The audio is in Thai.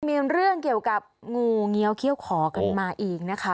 มีเรื่องเกี่ยวกับงูเงี้ยวเขี้ยวขอกันมาเองนะคะ